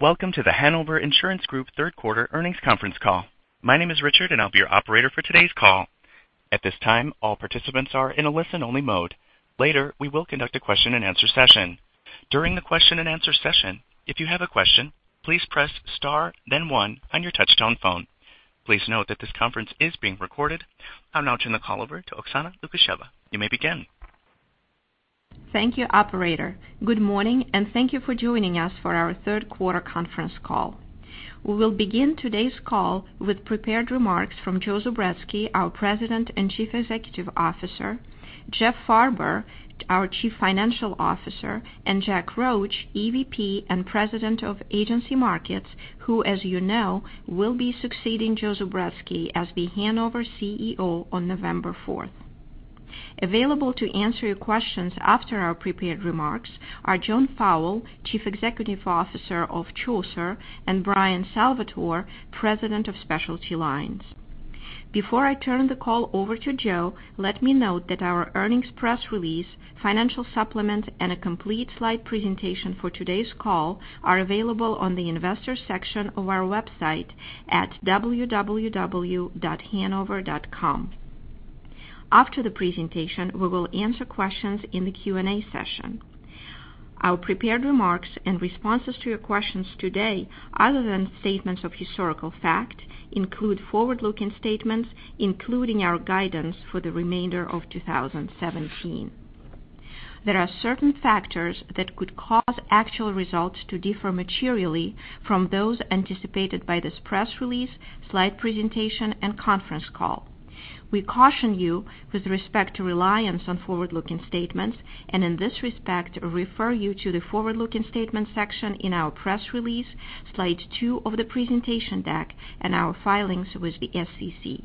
Welcome to The Hanover Insurance Group third quarter earnings conference call. My name is Richard, and I will be your operator for today's call. At this time, all participants are in a listen-only mode. Later, we will conduct a question and answer session. During the question and answer session, if you have a question, please press star then one on your touchtone phone. Please note that this conference is being recorded. I will now turn the call over to Oksana Lukasheva. You may begin. Thank you, operator. Good morning, and thank you for joining us for our third quarter conference call. We will begin today's call with prepared remarks from Joe Zubretsky, our President and Chief Executive Officer, Jeff Farber, our Chief Financial Officer, Jack Roche, EVP and President of Agency Markets, who as you know, will be succeeding Joe Zubretsky as the Hanover CEO on November fourth. Available to answer your questions after our prepared remarks are John Fowle, Chief Executive Officer of Chaucer, Brian Salvatore, President of Specialty Lines. Before I turn the call over to Joe, let me note that our earnings press release, financial supplement, and a complete slide presentation for today's call are available on the investor section of our website at www.hanover.com. After the presentation, we will answer questions in the Q&A session. Our prepared remarks and responses to your questions today, other than statements of historical fact, include forward-looking statements, including our guidance for the remainder of 2017. There are certain factors that could cause actual results to differ materially from those anticipated by this press release, slide two of the presentation deck, conference call. We caution you with respect to reliance on forward-looking statements, in this respect, refer you to the forward-looking statement section in our press release, slide two of the presentation deck, our filings with the SEC.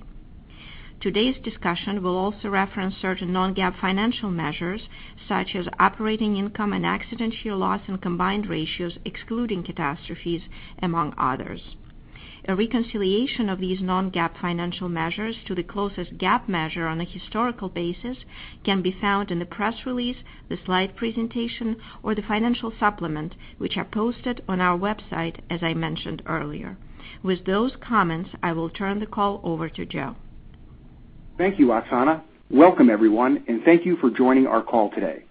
Today's discussion will also reference certain non-GAAP financial measures, such as operating income and accident year loss and combined ratios, excluding catastrophes, among others. A reconciliation of these non-GAAP financial measures to the closest GAAP measure on a historical basis can be found in the press release, the slide presentation, or the financial supplement, which are posted on our website as I mentioned earlier. With those comments, I will turn the call over to Joe. Thank you, Oksana. Welcome everyone, and thank you for joining our call today.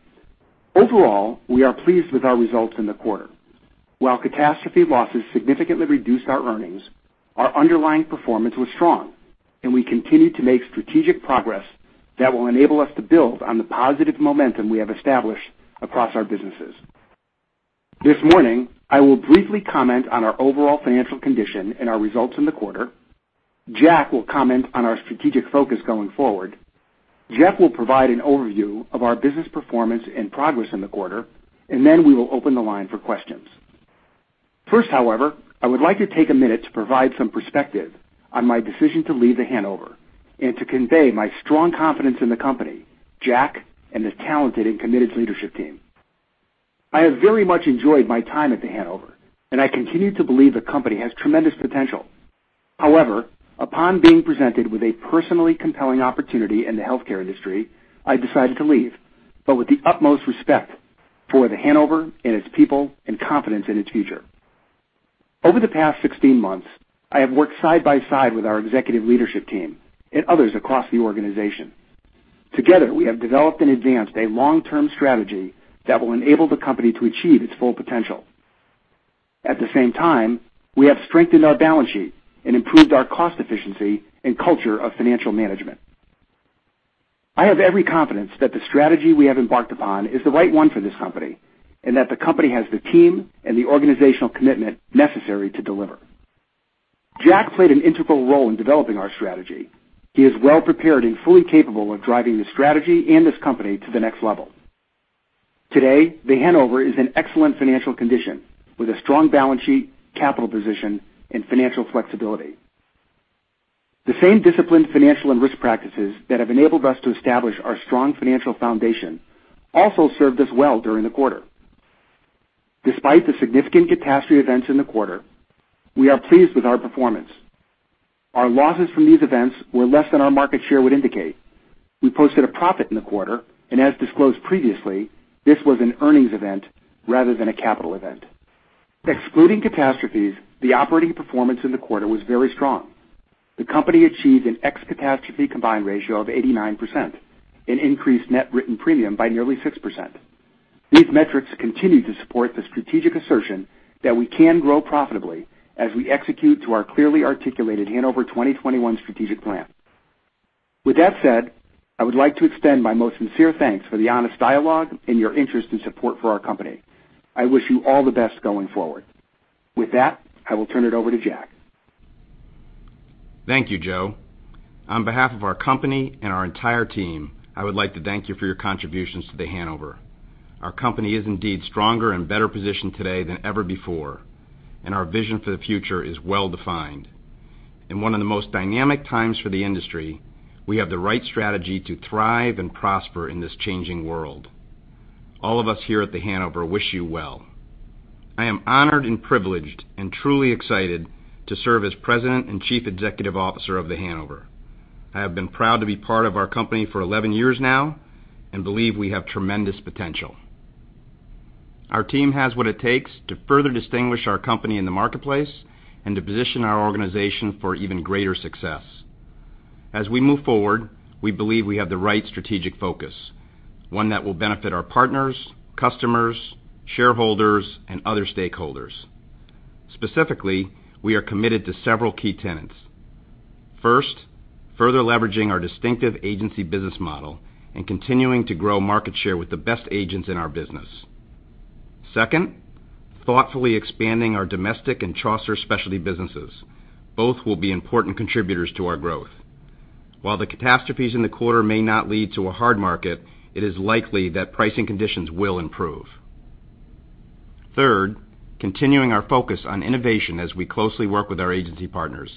Overall, we are pleased with our results in the quarter. While catastrophe losses significantly reduced our earnings, our underlying performance was strong, and we continued to make strategic progress that will enable us to build on the positive momentum we have established across our businesses. This morning, I will briefly comment on our overall financial condition and our results in the quarter. Jack will comment on our strategic focus going forward. Jeff will provide an overview of our business performance and progress in the quarter, and then we will open the line for questions. First, however, I would like to take a minute to provide some perspective on my decision to leave The Hanover and to convey my strong confidence in the company, Jack, and his talented and committed leadership team. I have very much enjoyed my time at The Hanover, and I continue to believe the company has tremendous potential. However, upon being presented with a personally compelling opportunity in the healthcare industry, I decided to leave, but with the utmost respect for The Hanover and its people and confidence in its future. Over the past 16 months, I have worked side by side with our executive leadership team and others across the organization. Together, we have developed and advanced a long-term strategy that will enable the company to achieve its full potential. At the same time, we have strengthened our balance sheet and improved our cost efficiency and culture of financial management. I have every confidence that the strategy we have embarked upon is the right one for this company and that the company has the team and the organizational commitment necessary to deliver. Jack played an integral role in developing our strategy. He is well prepared and fully capable of driving the strategy and this company to the next level. Today, The Hanover is in excellent financial condition with a strong balance sheet, capital position, and financial flexibility. The same disciplined financial and risk practices that have enabled us to establish our strong financial foundation also served us well during the quarter. Despite the significant catastrophe events in the quarter, we are pleased with our performance. Our losses from these events were less than our market share would indicate. We posted a profit in the quarter, and as disclosed previously, this was an earnings event rather than a capital event. Excluding catastrophes, the operating performance in the quarter was very strong. The company achieved an ex-catastrophe combined ratio of 89% and increased net written premium by nearly 6%. These metrics continue to support the strategic assertion that we can grow profitably as we execute to our clearly articulated Hanover 2021 strategic plan. With that said, I would like to extend my most sincere thanks for the honest dialogue and your interest and support for our company. I wish you all the best going forward. With that, I will turn it over to Jack. Thank you, Joe. On behalf of our company and our entire team, I would like to thank you for your contributions to The Hanover. Our company is indeed stronger and better positioned today than ever before. Our vision for the future is well-defined. In one of the most dynamic times for the industry, we have the right strategy to thrive and prosper in this changing world. All of us here at The Hanover wish you well. I am honored and privileged and truly excited to serve as President and Chief Executive Officer of The Hanover. I have been proud to be part of our company for 11 years now and believe we have tremendous potential. Our team has what it takes to further distinguish our company in the marketplace and to position our organization for even greater success. As we move forward, we believe we have the right strategic focus, one that will benefit our partners, customers, shareholders, and other stakeholders. Specifically, we are committed to several key tenets. First, further leveraging our distinctive agency business model and continuing to grow market share with the best agents in our business. Second, thoughtfully expanding our domestic and Chaucer specialty businesses. Both will be important contributors to our growth. While the catastrophes in the quarter may not lead to a hard market, it is likely that pricing conditions will improve. Third, continuing our focus on innovation as we closely work with our agency partners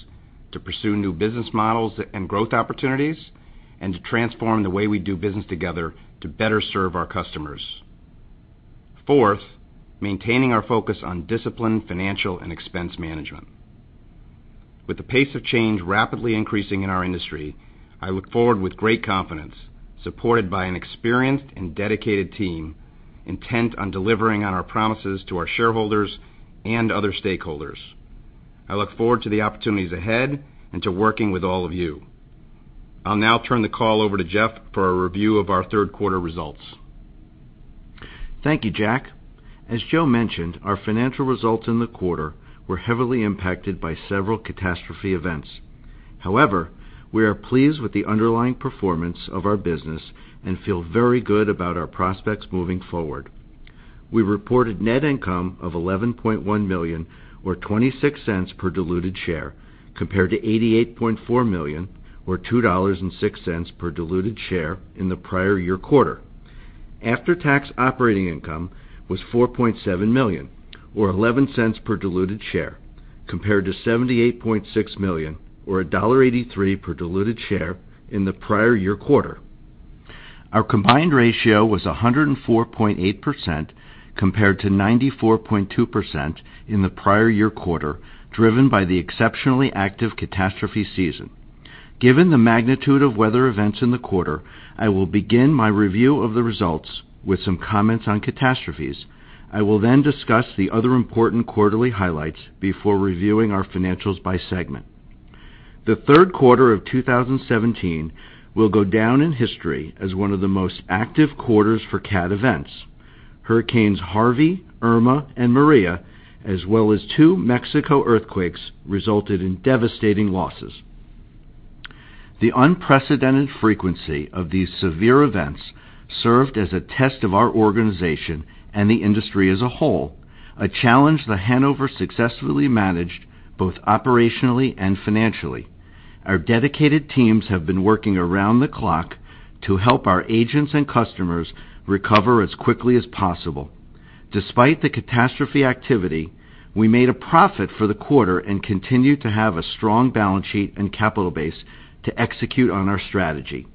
to pursue new business models and growth opportunities and to transform the way we do business together to better serve our customers. Fourth, maintaining our focus on disciplined financial and expense management. With the pace of change rapidly increasing in our industry, I look forward with great confidence, supported by an experienced and dedicated team intent on delivering on our promises to our shareholders and other stakeholders. I look forward to the opportunities ahead and to working with all of you. I'll now turn the call over to Jeff for a review of our third quarter results. Thank you, Jack. As Joe mentioned, our financial results in the quarter were heavily impacted by several catastrophe events. However, we are pleased with the underlying performance of our business and feel very good about our prospects moving forward. We reported net income of $11.1 million, or $0.26 per diluted share, compared to $88.4 million, or $2.06 per diluted share in the prior year quarter. After-tax operating income was $4.7 million, or $0.11 per diluted share, compared to $78.6 million, or $1.83 per diluted share in the prior year quarter. Our combined ratio was 104.8%, compared to 94.2% in the prior year quarter, driven by the exceptionally active catastrophe season. Given the magnitude of weather events in the quarter, I will begin my review of the results with some comments on catastrophes. I will then discuss the other important quarterly highlights before reviewing our financials by segment. The third quarter of 2017 will go down in history as one of the most active quarters for cat events. Hurricanes Harvey, Irma, and Maria, as well as two Mexico earthquakes, resulted in devastating losses. The unprecedented frequency of these severe events served as a test of our organization and the industry as a whole, a challenge that Hanover successfully managed both operationally and financially. Our dedicated teams have been working around the clock to help our agents and customers recover as quickly as possible. Despite the catastrophe activity, we made a profit for the quarter and continue to have a strong balance sheet and capital base to execute on our strategy.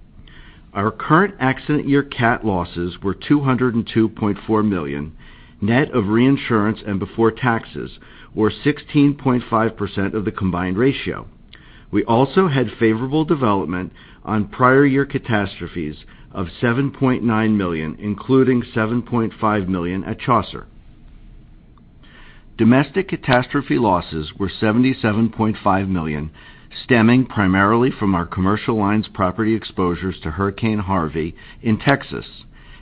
Our current accident year cat losses were $202.4 million, net of reinsurance and before taxes, or 16.5% of the combined ratio. We also had favorable development on prior year catastrophes of $7.9 million, including $7.5 million at Chaucer. Domestic catastrophe losses were $77.5 million, stemming primarily from our commercial lines property exposures to Hurricane Harvey in Texas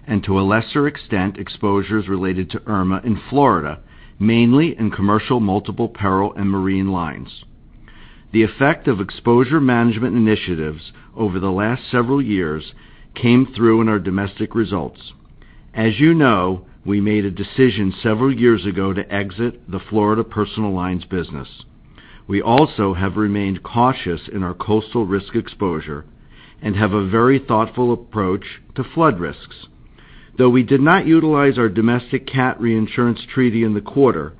and, to a lesser extent, exposures related to Irma in Florida, mainly in Commercial Multiple Peril and Marine lines. The effect of exposure management initiatives over the last several years came through in our domestic results. As you know, we made a decision several years ago to exit the Florida personal lines business. We also have remained cautious in our coastal risk exposure and have a very thoughtful approach to flood risks. Though we did not utilize our domestic cat reinsurance treaty in the quarter,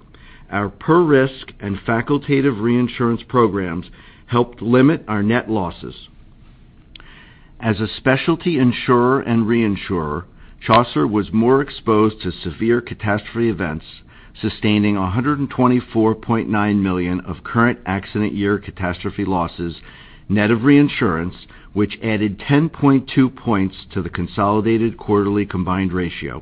our per-risk and facultative reinsurance programs helped limit our net losses. As a specialty insurer and reinsurer, Chaucer was more exposed to severe catastrophe events, sustaining $124.9 million of current accident year catastrophe losses, net of reinsurance, which added 10.2 points to the consolidated quarterly combined ratio.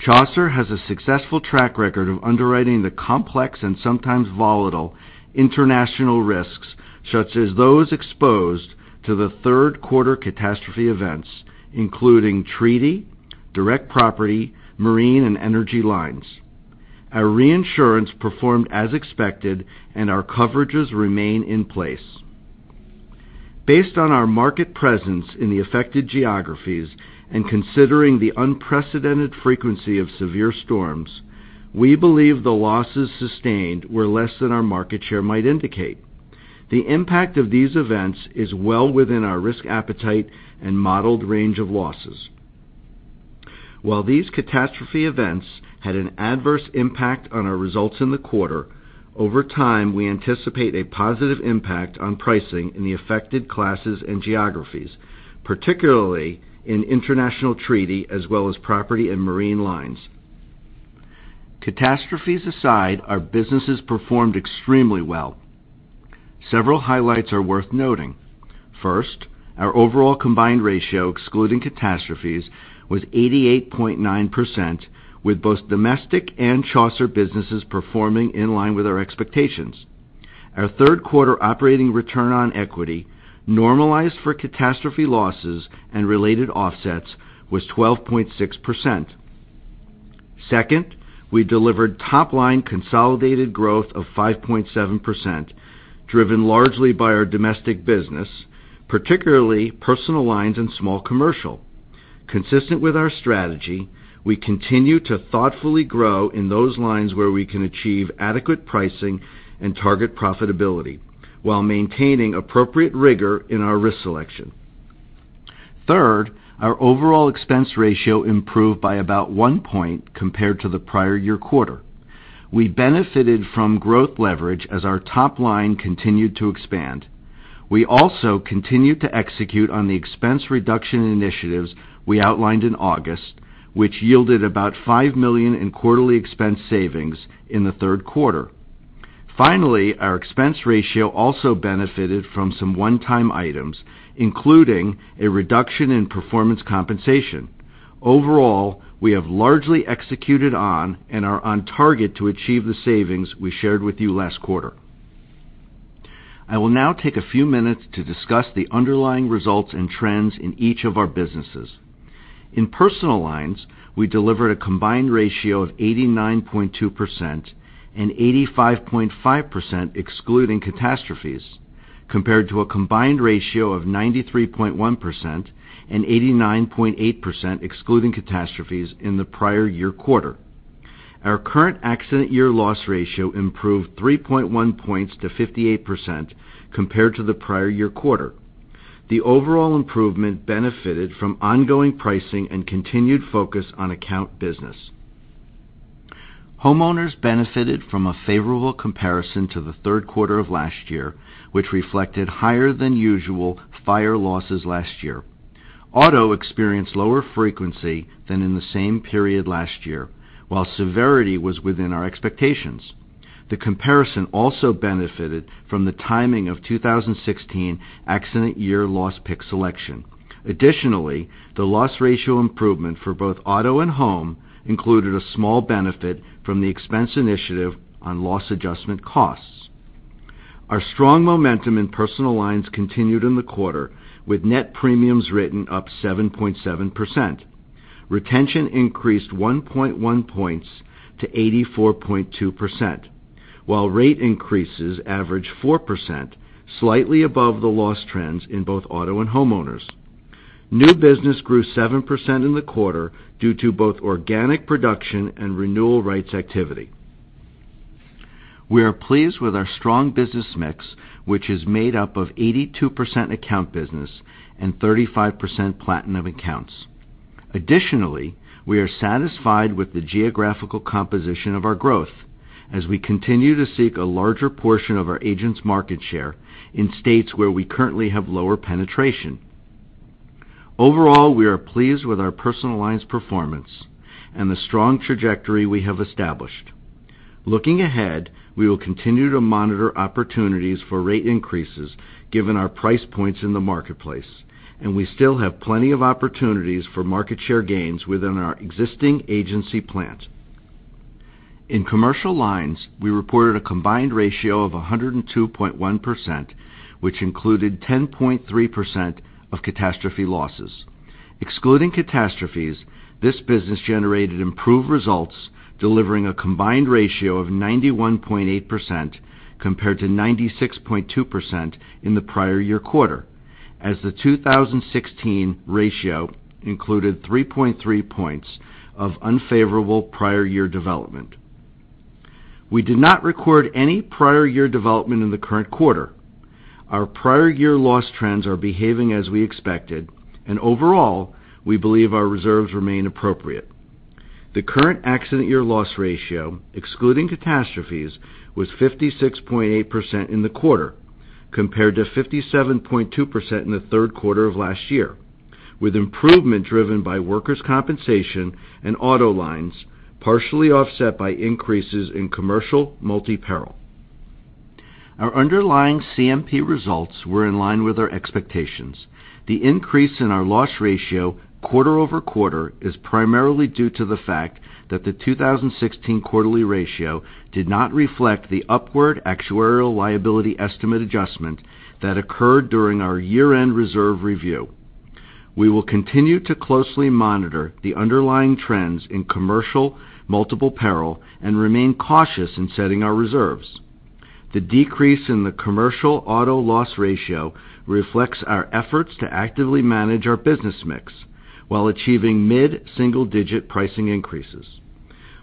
Chaucer has a successful track record of underwriting the complex and sometimes volatile international risks, such as those exposed to the third quarter catastrophe events, including treaty, direct property, Marine, and energy lines. Our reinsurance performed as expected and our coverages remain in place. Based on our market presence in the affected geographies and considering the unprecedented frequency of severe storms, we believe the losses sustained were less than our market share might indicate. The impact of these events is well within our risk appetite and modeled range of losses. While these catastrophe events had an adverse impact on our results in the quarter, over time we anticipate a positive impact on pricing in the affected classes and geographies, particularly in international treaty as well as property and Marine lines. Catastrophes aside, our businesses performed extremely well. Several highlights are worth noting. First, our overall combined ratio, excluding catastrophes, was 88.9%, with both domestic and Chaucer businesses performing in line with our expectations. Our third quarter operating return on equity, normalized for catastrophe losses and related offsets, was 12.6%. Second, we delivered top-line consolidated growth of 5.7%, driven largely by our domestic business, particularly personal lines and small commercial. Consistent with our strategy, we continue to thoughtfully grow in those lines where we can achieve adequate pricing and target profitability while maintaining appropriate rigor in our risk selection. Third, our overall expense ratio improved by about one point compared to the prior year quarter. We benefited from growth leverage as our top line continued to expand. We also continued to execute on the expense reduction initiatives we outlined in August, which yielded about $5 million in quarterly expense savings in the third quarter. Finally, our expense ratio also benefited from some one-time items, including a reduction in performance compensation. Overall, we have largely executed on and are on target to achieve the savings we shared with you last quarter. I will now take a few minutes to discuss the underlying results and trends in each of our businesses. In personal lines, we delivered a combined ratio of 89.2% and 85.5% excluding catastrophes, compared to a combined ratio of 93.1% and 89.8% excluding catastrophes in the prior year quarter. Our current accident year loss ratio improved 3.1 points to 58% compared to the prior year quarter. The overall improvement benefited from ongoing pricing and continued focus on account business. Homeowners benefited from a favorable comparison to the third quarter of last year, which reflected higher than usual fire losses last year. Auto experienced lower frequency than in the same period last year, while severity was within our expectations. The comparison also benefited from the timing of 2016 accident year loss pick selection. Additionally, the loss ratio improvement for both Auto and Home included a small benefit from the expense initiative on loss adjustment costs. Our strong momentum in personal lines continued in the quarter, with net premiums written up 7.7%. Retention increased 1.1 points to 84.2%, while rate increases averaged 4%, slightly above the loss trends in both Auto and Homeowners. New business grew 7% in the quarter due to both organic production and renewal rights activity. We are pleased with our strong business mix, which is made up of 82% account business and 35% platinum accounts. Additionally, we are satisfied with the geographical composition of our growth as we continue to seek a larger portion of our agents' market share in states where we currently have lower penetration. Overall, we are pleased with our personal lines performance and the strong trajectory we have established. Looking ahead, we will continue to monitor opportunities for rate increases given our price points in the marketplace, and we still have plenty of opportunities for market share gains within our existing agency plant. In commercial lines, we reported a combined ratio of 102.1%, which included 10.3% of catastrophe losses. Excluding catastrophes, this business generated improved results, delivering a combined ratio of 91.8% compared to 96.2% in the prior year quarter, as the 2016 ratio included 3.3 points of unfavorable prior year development. We did not record any prior year development in the current quarter. Our prior year loss trends are behaving as we expected, and overall, we believe our reserves remain appropriate. The current accident year loss ratio, excluding catastrophes, was 56.8% in the quarter, compared to 57.2% in the third quarter of last year, with improvement driven by workers' compensation and Auto lines, partially offset by increases in Commercial Multi-Peril. Our underlying CMP results were in line with our expectations. The increase in our loss ratio quarter-over-quarter is primarily due to the fact that the 2016 quarterly ratio did not reflect the upward actuarial liability estimate adjustment that occurred during our year-end reserve review. We will continue to closely monitor the underlying trends in Commercial Multiple Peril and remain cautious in setting our reserves. The decrease in the commercial auto loss ratio reflects our efforts to actively manage our business mix while achieving mid-single-digit pricing increases.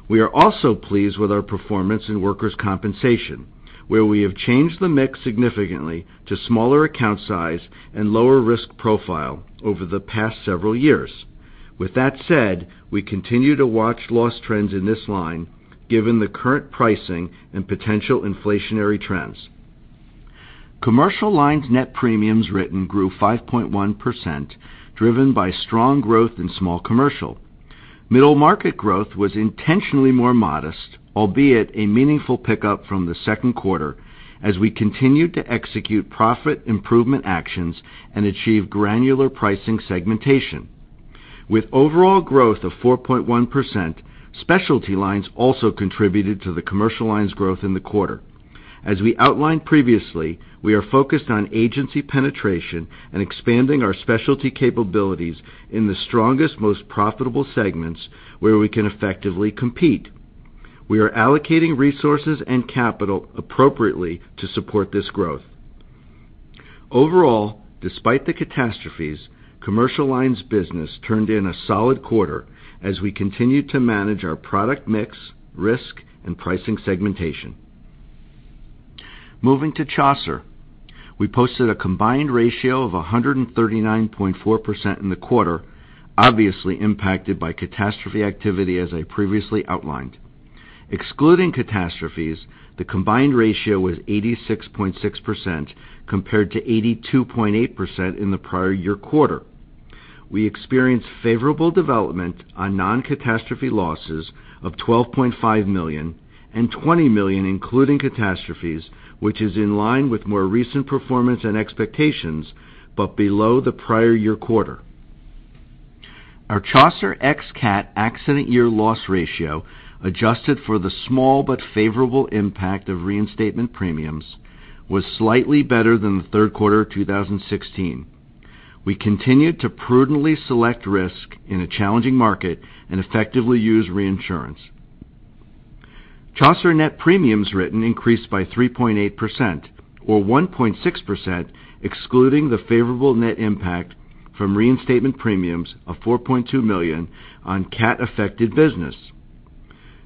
We are also pleased with our performance in workers' compensation, where we have changed the mix significantly to smaller account size and lower risk profile over the past several years. With that said, we continue to watch loss trends in this line given the current pricing and potential inflationary trends. Commercial Lines net premiums written grew 5.1%, driven by strong growth in small commercial. Middle market growth was intentionally more modest, albeit a meaningful pickup from the second quarter, as we continued to execute profit improvement actions and achieve granular pricing segmentation. With overall growth of 4.1%, Specialty Lines also contributed to the Commercial Lines growth in the quarter. As we outlined previously, we are focused on agency penetration and expanding our specialty capabilities in the strongest, most profitable segments where we can effectively compete. We are allocating resources and capital appropriately to support this growth. Overall, despite the catastrophes, Commercial Lines business turned in a solid quarter as we continued to manage our product mix, risk, and pricing segmentation. Moving to Chaucer. We posted a combined ratio of 139.4% in the quarter, obviously impacted by catastrophe activity as I previously outlined. Excluding catastrophes, the combined ratio was 86.6% compared to 82.8% in the prior year quarter. We experienced favorable development on non-catastrophe losses of $12.5 million, and $20 million including catastrophes, which is in line with more recent performance and expectations, but below the prior year quarter. Our Chaucer ex-cat accident year loss ratio, adjusted for the small but favorable impact of reinstatement premiums, was slightly better than the third quarter of 2016. We continued to prudently select risk in a challenging market and effectively use reinsurance. Chaucer net premiums written increased by 3.8%, or 1.6% excluding the favorable net impact from reinstatement premiums of $4.2 million on cat-affected business.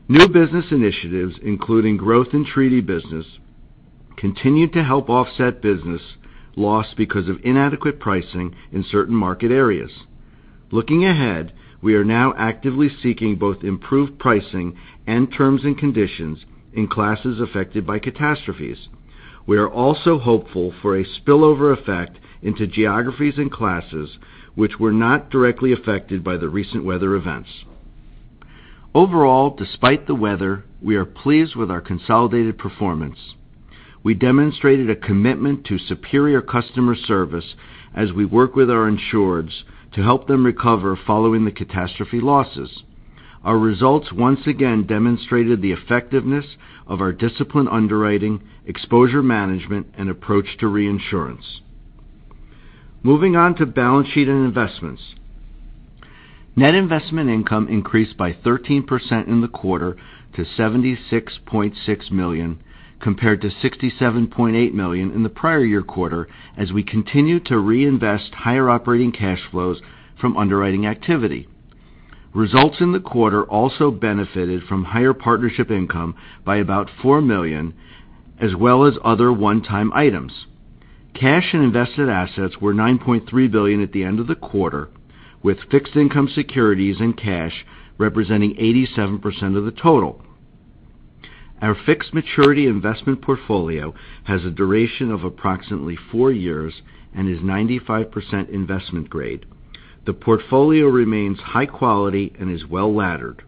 New business initiatives, including growth in treaty business, continued to help offset business lost because of inadequate pricing in certain market areas. Looking ahead, we are now actively seeking both improved pricing and terms and conditions in classes affected by catastrophes. We are also hopeful for a spillover effect into geographies and classes which were not directly affected by the recent weather events. Overall, despite the weather, we are pleased with our consolidated performance. We demonstrated a commitment to superior customer service as we work with our insureds to help them recover following the catastrophe losses. Our results once again demonstrated the effectiveness of our disciplined underwriting, exposure management, and approach to reinsurance. Moving on to balance sheet and investments. Net investment income increased by 13% in the quarter to $76.6 million, compared to $67.8 million in the prior year quarter, as we continued to reinvest higher operating cash flows from underwriting activity. Results in the quarter also benefited from higher partnership income by about $4 million, as well as other one-time items. Cash and invested assets were $9.3 billion at the end of the quarter, with fixed income securities and cash representing 87% of the total. Our fixed maturity investment portfolio has a duration of approximately four years and is 95% investment grade. The portfolio remains high quality and is well-laddered.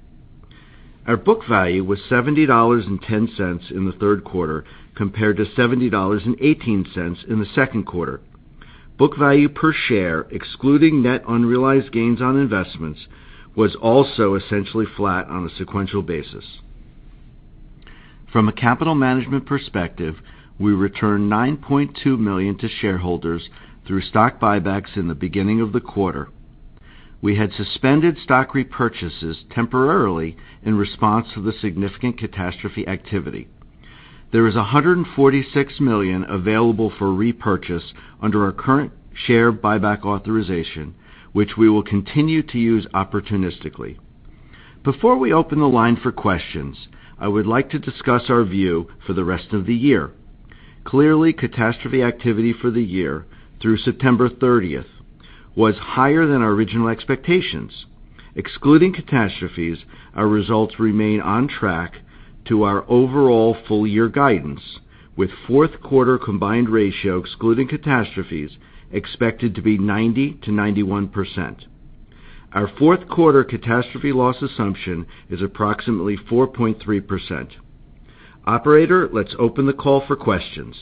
Our book value was $70.10 in the third quarter, compared to $70.18 in the second quarter. Book value per share, excluding net unrealized gains on investments, was also essentially flat on a sequential basis. From a capital management perspective, we returned $9.2 million to shareholders through stock buybacks in the beginning of the quarter. We had suspended stock repurchases temporarily in response to the significant catastrophe activity. There is $146 million available for repurchase under our current share buyback authorization, which we will continue to use opportunistically. Before we open the line for questions, I would like to discuss our view for the rest of the year. Clearly, catastrophe activity for the year through September 30th was higher than our original expectations. Excluding catastrophes, our results remain on track to our overall full-year guidance, with fourth quarter combined ratio excluding catastrophes expected to be 90%-91%. Our fourth quarter catastrophe loss assumption is approximately 4.3%. Operator, let's open the call for questions.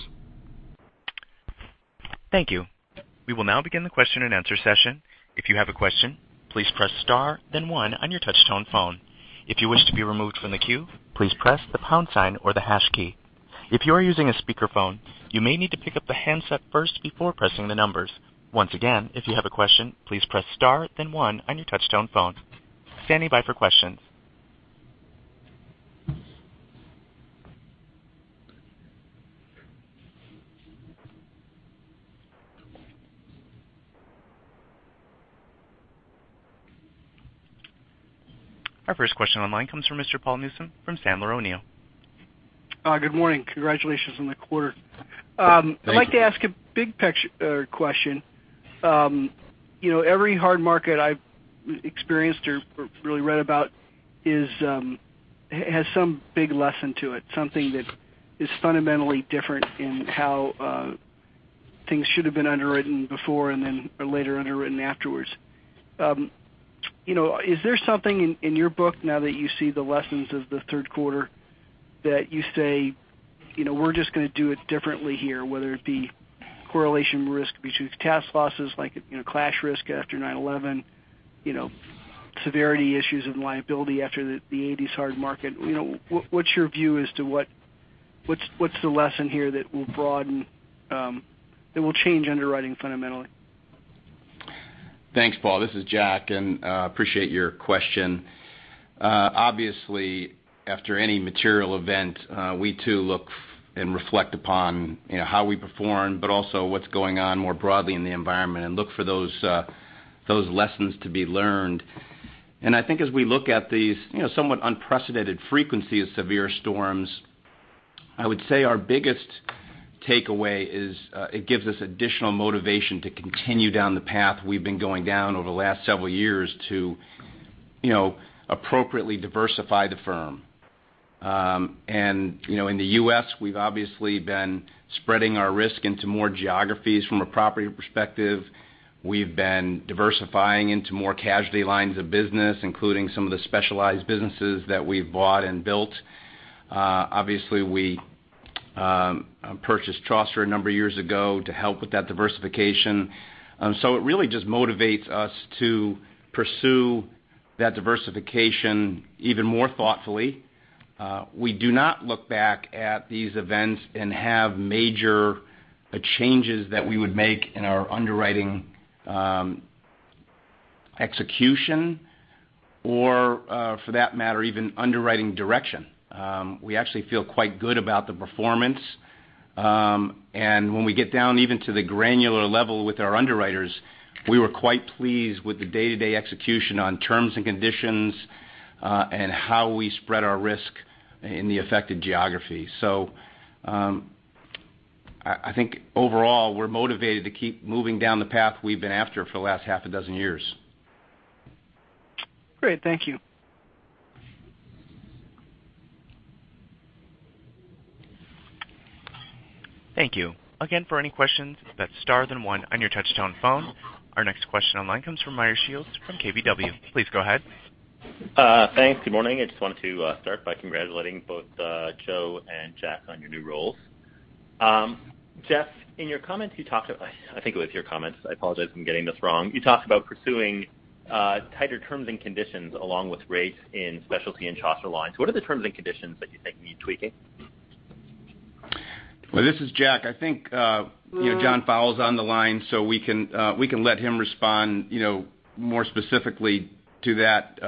Thank you. We will now begin the question and answer session. If you have a question, please press star then one on your touch-tone phone. If you wish to be removed from the queue, please press the pound sign or the hash key. If you are using a speakerphone, you may need to pick up the handset first before pressing the numbers. Once again, if you have a question, please press star then one on your touch-tone phone. Standing by for questions. Our first question on the line comes from Mr. Paul Newsome from Sandler O'Neill. Good morning. Congratulations on the quarter. Thank you. I'd like to ask a big picture question. Every hard market I've experienced or really read about has some big lesson to it, something that is fundamentally different in how things should have been underwritten before and then are later underwritten afterwards. Is there something in your book now that you see the lessons of the third quarter that you say, "We're just going to do it differently here," whether it be correlation risk between cat losses, like clash risk after 9/11, severity issues and liability after the '80s hard market? What's your view as to what's the lesson here that will change underwriting fundamentally? Thanks, Paul. This is Jack. I appreciate your question. Obviously, after any material event, we too look and reflect upon how we perform, but also what's going on more broadly in the environment and look for those lessons to be learned. I think as we look at these somewhat unprecedented frequency of severe storms, I would say our biggest takeaway is it gives us additional motivation to continue down the path we've been going down over the last several years to appropriately diversify the firm. In the U.S., we've obviously been spreading our risk into more geographies from a property perspective. We've been diversifying into more casualty lines of business, including some of the specialized businesses that we've bought and built. Obviously, we purchased Chaucer a number of years ago to help with that diversification. It really just motivates us to pursue that diversification even more thoughtfully. We do not look back at these events and have major changes that we would make in our underwriting execution or, for that matter, even underwriting direction. We actually feel quite good about the performance. When we get down even to the granular level with our underwriters, we were quite pleased with the day-to-day execution on terms and conditions, and how we spread our risk in the affected geography. I think overall, we're motivated to keep moving down the path we've been after for the last half a dozen years. Great. Thank you. Thank you. Again, for any questions, that's star then one on your touch-tone phone. Our next question online comes from Meyer Shields from KBW. Please go ahead. Thanks. Good morning. I just wanted to start by congratulating both Joe and Jack on your new roles. Jack, in your comments, you talked about, I think it was your comments, I apologize if I'm getting this wrong, you talked about pursuing tighter terms and conditions along with rates in Specialty Lines and Chaucer lines. What are the terms and conditions that you think need tweaking? This is Jack. I think John Fowle's on the line, we can let him respond more specifically to that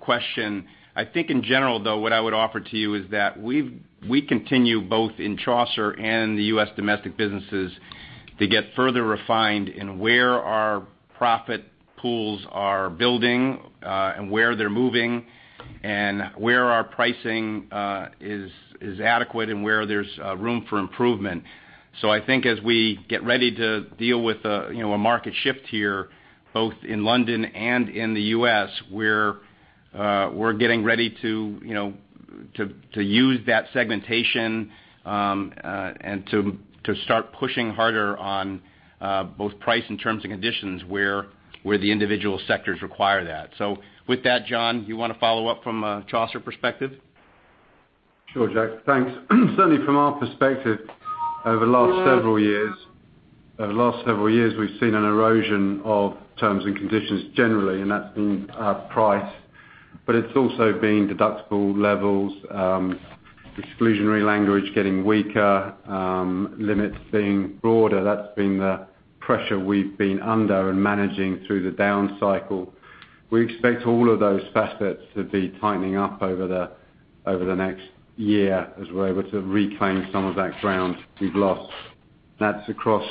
question. I think in general, though, what I would offer to you is that we continue both in Chaucer and the U.S. domestic businesses to get further refined in where our profit pools are building, and where they're moving, and where our pricing is adequate and where there's room for improvement. I think as we get ready to deal with a market shift here, both in London and in the U.S., we're getting ready to use that segmentation, and to start pushing harder on both price and terms and conditions where the individual sectors require that. With that, John, you want to follow up from a Chaucer perspective? Sure, Jack. Thanks. Certainly from our perspective, over the last several years, we've seen an erosion of terms and conditions generally, and that's been price, but it's also been deductible levels, exclusionary language getting weaker, limits being broader. That's been the pressure we've been under and managing through the down cycle. We expect all of those facets to be tightening up over the next year as we're able to reclaim some of that ground we've lost. That's across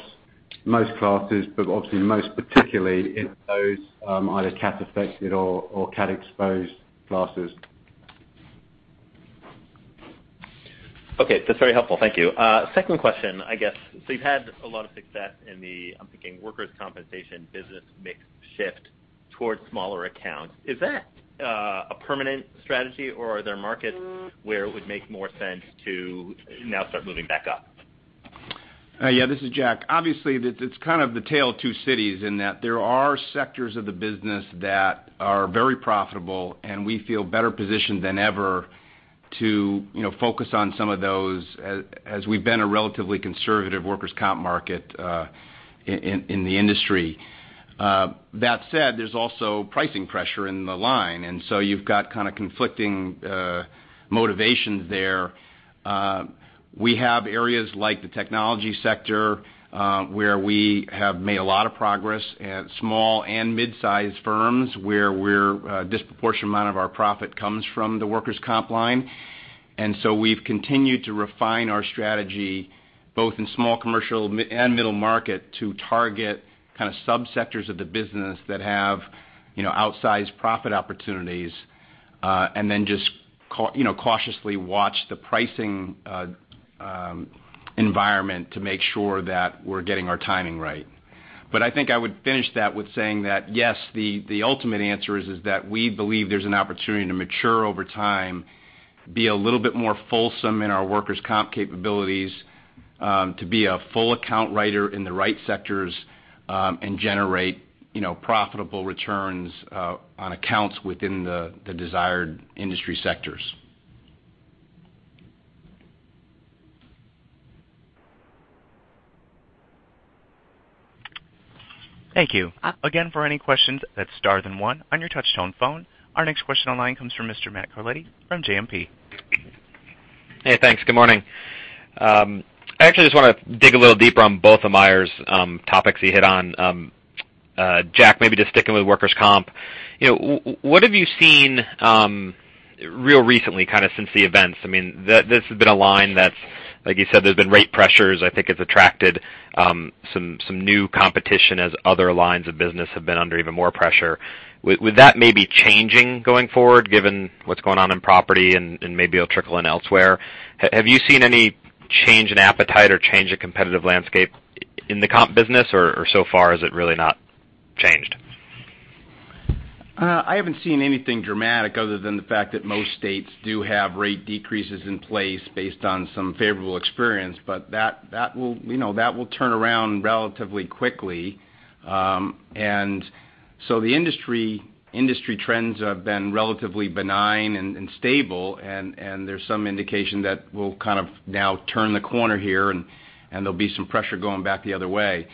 most classes, but obviously most particularly in those either cat affected or cat exposed classes. Okay, that's very helpful. Thank you. Second question, I guess. You've had a lot of success in the, I'm thinking, workers' compensation business mix shift towards smaller accounts. Is that a permanent strategy, or are there markets where it would make more sense to now start moving back up? Yeah, this is Jack. Obviously, it's kind of the Tale of Two Cities in that there are sectors of the business that are very profitable, and we feel better positioned than ever to focus on some of those, as we've been a relatively conservative workers' comp market in the industry. That said, there's also pricing pressure in the line, you've got kind of conflicting motivations there. We have areas like the technology sector, where we have made a lot of progress at small and mid-size firms where a disproportionate amount of our profit comes from the workers' comp line. We've continued to refine our strategy both in small commercial and middle market to target kind of sub-sectors of the business that have outsized profit opportunities, and then just cautiously watch the pricing environment to make sure that we're getting our timing right. I think I would finish that with saying that, yes, the ultimate answer is that we believe there's an opportunity to mature over time, be a little bit more fulsome in our workers' comp capabilities, to be a full account writer in the right sectors, and generate profitable returns on accounts within the desired industry sectors. Thank you. Again, for any questions, that's star then one on your touchtone phone. Our next question online comes from Mr. Matt Carletti from JMP. Hey, thanks. Good morning. I actually just want to dig a little deeper on both of Meyer's topics he hit on. Jack, maybe just sticking with workers' comp, what have you seen real recently since the events? This has been a line that's, like you said, there's been rate pressures. I think it's attracted some new competition as other lines of business have been under even more pressure. With that maybe changing going forward, given what's going on in property and maybe it'll trickle in elsewhere, have you seen any change in appetite or change in competitive landscape in the comp business or so far, has it really not changed? I haven't seen anything dramatic other than the fact that most states do have rate decreases in place based on some favorable experience. That will turn around relatively quickly. The industry trends have been relatively benign and stable, and there's some indication that we'll now turn the corner here and there'll be some pressure going back the other way.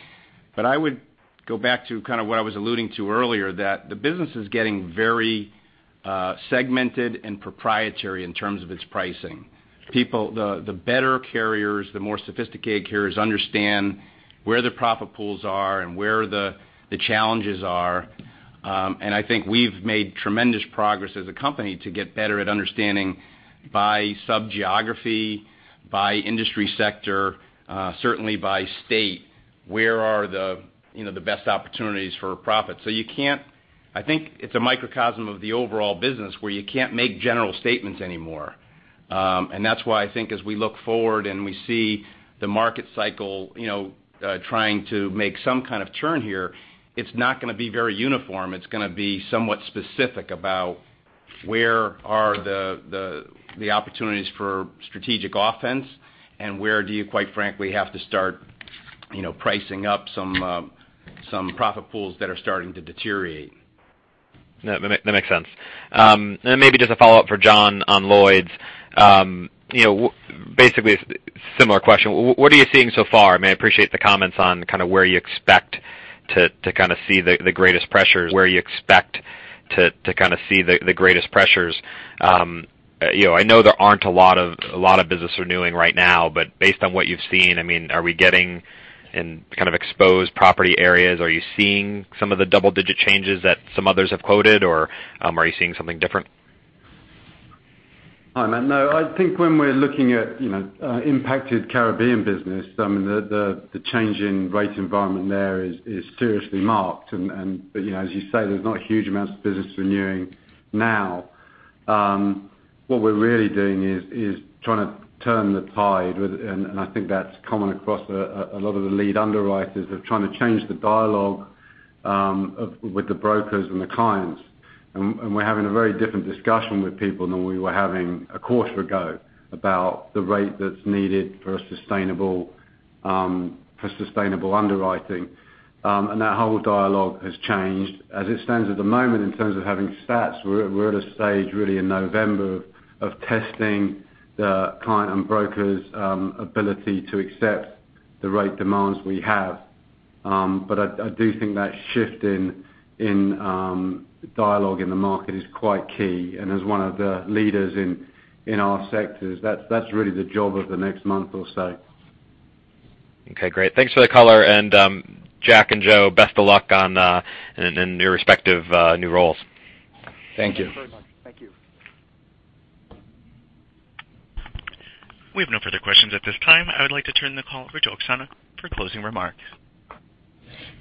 I would go back to what I was alluding to earlier, that the business is getting very segmented and proprietary in terms of its pricing. The better carriers, the more sophisticated carriers understand where the profit pools are and where the challenges are. I think we've made tremendous progress as a company to get better at understanding by sub-geography, by industry sector, certainly by state, where are the best opportunities for profit. I think it's a microcosm of the overall business where you can't make general statements anymore. That's why I think as we look forward and we see the market cycle trying to make some kind of turn here, it's not going to be very uniform. It's going to be somewhat specific about where are the opportunities for strategic offense, and where do you, quite frankly, have to start pricing up some profit pools that are starting to deteriorate. That makes sense. Maybe just a follow-up for John on Lloyd's. Similar question. What are you seeing so far? I appreciate the comments on where you expect to see the greatest pressures. I know there aren't a lot of business renewing right now, but based on what you've seen, in exposed property areas, are you seeing some of the double-digit changes that some others have quoted, or are you seeing something different? Hi, Matt. No, I think when we're looking at impacted Caribbean business, the change in rate environment there is seriously marked. As you say, there's not huge amounts of business renewing now. What we're really doing is trying to turn the tide, and I think that's common across a lot of the lead underwriters of trying to change the dialogue with the brokers and the clients. We're having a very different discussion with people than we were having a quarter ago about the rate that's needed for sustainable underwriting. That whole dialogue has changed. As it stands at the moment in terms of having stats, we're at a stage really in November of testing the client and brokers' ability to accept the rate demands we have. I do think that shift in dialogue in the market is quite key, and as one of the leaders in our sectors, that's really the job of the next month or so. Okay, great. Thanks for the color. Jack and Joe, best of luck in your respective new roles. Thank you. Thank you very much. Thank you. We have no further questions at this time. I would like to turn the call over to Oksana for closing remarks.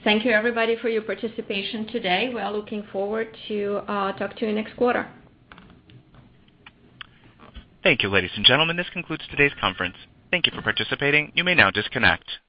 Thank you, everybody, for your participation today. We are looking forward to talk to you next quarter. Thank you, ladies and gentlemen. This concludes today's conference. Thank you for participating. You may now disconnect.